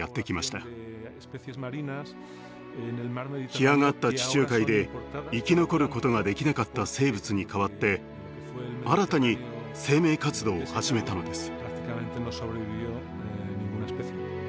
干上がった地中海で生き残ることができなかった生物に代わって新たに生命活動を始めたのです。